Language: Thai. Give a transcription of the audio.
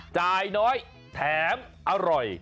จ่ายน้อยแถมอร่อย